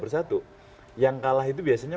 bersatu yang kalah itu biasanya